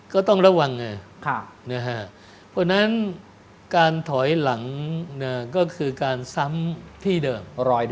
ก็ต้องระวังไงเพราะฉะนั้นการถอยหลังก็คือการซ้ำที่เดิม